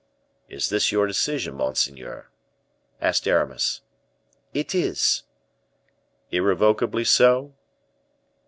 "Is this your decision, monseigneur?" asked Aramis. "It is." "Irrevocably so?"